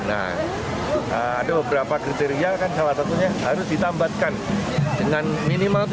nah ada beberapa kriteria kan salah satunya harus ditambatkan dengan minimal tiga puluh